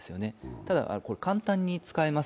ただ、これ簡単に使えます。